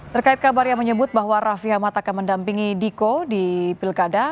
terkait kabar yang menyebut bahwa raffi ahmad akan mendampingi diko di pilkada